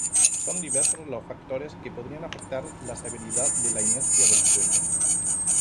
Son diversos los factores que podrían afectan la severidad de la inercia del sueño.